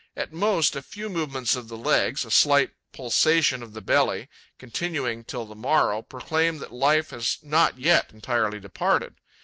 At most, a few movements of the legs, a slight pulsation of the belly, continuing till the morrow, proclaim that life has not yet entirely departed.